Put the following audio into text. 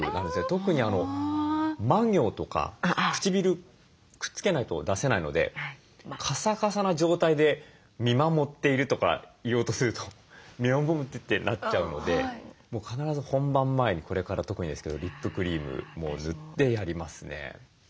特にま行とか唇くっつけないと出せないのでカサカサな状態で「見守っている」とか言おうとするとってなっちゃうのでもう必ず本番前にこれから特にですけどリップクリームもう塗ってやりますね。